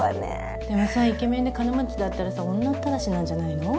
でもさイケメンで金持ちだったらさ女ったらしなんじゃないの？